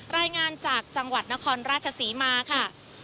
รายงานจากจังหวัดนครราชศรีมาค่ะ